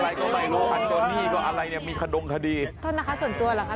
อะไรก็ไม่รู้อันโตนี่ก็อะไรเนี่ยมีขดงคดีโทษนะคะส่วนตัวเหรอคะ